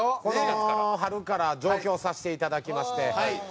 この春から上京させていただきまして。